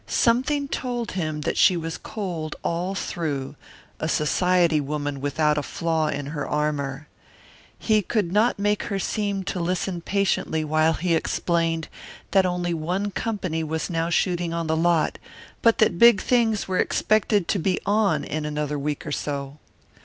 Something told him that she was cold all through, a society woman without a flaw in her armour. He could not make her seem to listen patiently while he explained that only one company was now shooting on the lot, but that big things were expected to be on in another week or so.